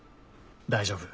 大丈夫。